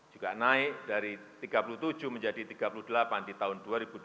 juga naik dari tiga puluh tujuh menjadi tiga puluh delapan di tahun dua ribu dua puluh